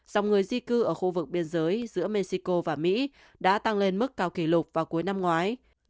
dòng người di cư ở khu vực biên giới giữa mexico và mỹ đã tăng lên mức cao kỷ lục vào cuối năm ngoái